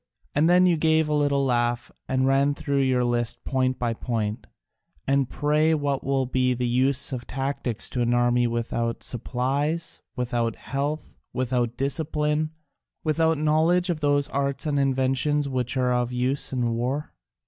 And then you gave a little laugh and ran through your list point by point: 'And pray what will be the use of tactics to an army without supplies, without health, without discipline, without knowledge of those arts and inventions that are of use in war?'